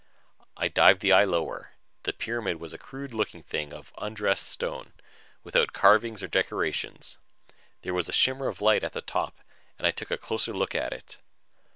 I dived the eye lower. The pyramid was a crude looking thing of undressed stone, without carvings or decorations. There was a shimmer of light from the top and I took a closer look at it.